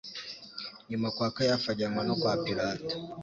nyuma kwa Kayafa ajyanwa no kwa Pilato.